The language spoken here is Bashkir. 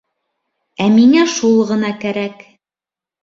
Ә миңә шул ғына кәрәк.